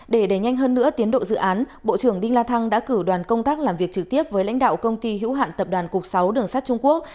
để đẩy nhanh hơn nữa tiến độ dự án bộ trưởng đinh la thăng đã cử đoàn công tác làm việc trực tiếp với lãnh đạo công ty hữu hạn tập đoàn cục sáu đường sắt trung quốc